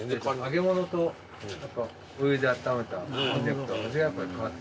揚げ物とお湯であっためたこんにゃくと味がやっぱり変わって。